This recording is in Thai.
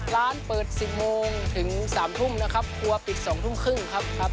ร้านเปิด๑๐โมงถึง๓ทุ่มนะครับครัวปิด๒ทุ่มครึ่งครับครับ